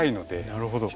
なるほど。